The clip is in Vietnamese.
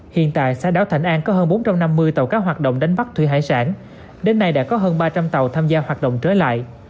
hiện tại xã đảo thạnh an có hơn bốn trăm năm mươi tàu cá hoạt động đánh bắt thủy hải sản đến nay đã có hơn ba trăm linh tàu tham gia hoạt động trở lại